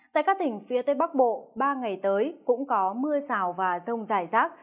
tại các tỉnh phía tây bắc bộ ba ngày tới cũng có mưa rào và rông dài rác